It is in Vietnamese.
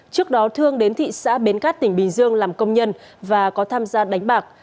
trước đó thương đến thị xã bến cát tỉnh bình dương làm công nhân và có tham gia đánh bạc